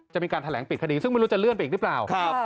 จะมีการแถลงปิดคดีซึ่งไม่รู้จะเลื่อนไปอีกหรือเปล่า